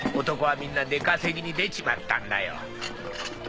男はみんな出稼ぎに出ちまったんだよ。